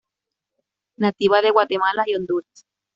Nativa de Guatemala y Honduras.